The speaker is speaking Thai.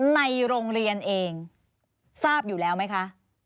ในโรงเรียนเองทราบอยู่แล้วไหมคะ